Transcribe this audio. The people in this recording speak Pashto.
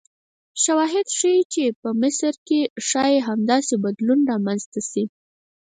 شواهد ښیي چې په مصر کې ښایي همداسې بدلون رامنځته شي.